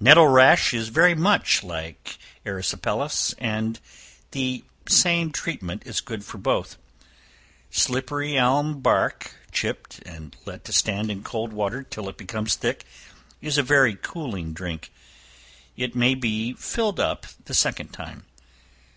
Nettle rash is very much like erysipelas, and the same treatment is good for both. Slippery elm bark, chipped, and let to stand in cold water till it becomes thick, is a very cooling drink. It may be filled up the second time.